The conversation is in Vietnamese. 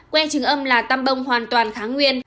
que chứng âm là tăm bông hoàn toàn kháng nguyên